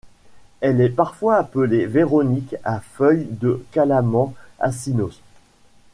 Elle est parfois appelée Véronique à feuilles de calament acinos.